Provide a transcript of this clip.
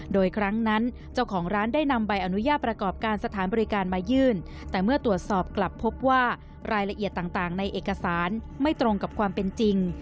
โดยครั้งนั้นเจ้าของร้านได้นำใบอนุญาตประกอบการสถานบริการมายื่นแต่เมื่อตรวจสอบกลับพบว่ารายละเอียดต่างในเอกสารไม่ตรงกับความเป็นจริง